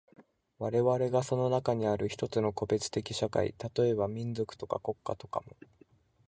我々がその中にある一つの個別的社会、例えば民族とか国家とかも、